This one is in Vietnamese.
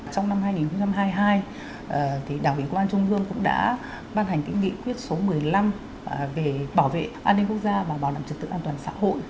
trong năm hai nghìn hai mươi hai đảng ủy công an trung ương cũng đã ban hành nghị quyết số một mươi năm về bảo vệ an ninh quốc gia và bảo đảm trật tự an toàn xã hội